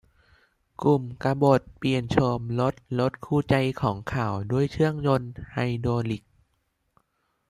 กลุ่มกบฏเปลี่ยนโฉมรถรถคู่ใจของเขาด้วยเครื่องยนต์ไฮดรอลิค